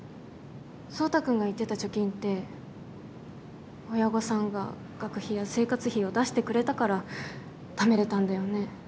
壮太君が言ってた貯金って親御さんが学費や生活費を出してくれたから貯めれたんだよね？